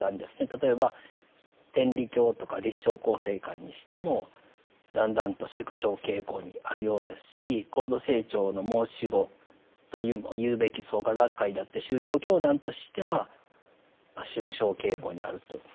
例えば天理教とか立正佼成会にしてもだんだんと縮小傾向にあるようですし高度成長の申し子というべき創価学会だって宗教教団としてはまあ縮小傾向にあるとえ言えるかと思います。